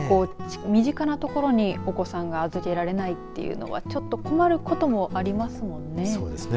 身近なところにお子さんが預けられないというのは困ることもありますものね。